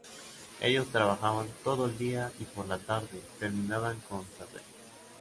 Ellos trabajaban todo el día y por la tarde, terminaban con zazen.